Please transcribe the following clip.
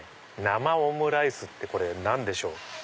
生オムライスって何でしょう？